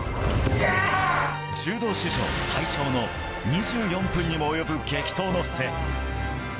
柔道史上最長の２４分にも及ぶ激闘の末。